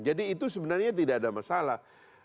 jadi itu sebenarnya tidak ada masalah